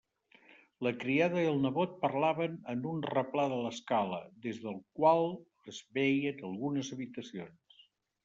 La criada i el nebot parlaven en un replà de l'escala, des del qual es veien algunes habitacions.